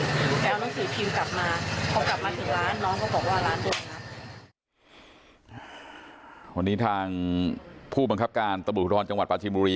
วันนี้ทางผู้บังคับการตะบุทรฐานจังหวัดปาชิมบุรี